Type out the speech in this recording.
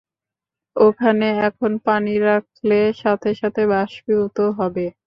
ওখানে এখন পানি রাখলে সাথে সাথে বাষ্পীভূত হবে।